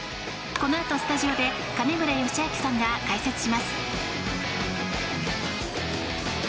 このあとスタジオで金村義明さんが解説します。